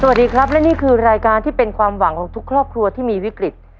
สวัสดีครับและนี่คือรายการที่เป็นความหวังของทุกครอบครัวที่มีวิกฤต